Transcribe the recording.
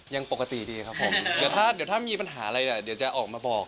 ยังปกติดีครับผมเดี๋ยวถ้ามีปัญหาอะไรอะเดี๋ยวหนาวอกมาบอก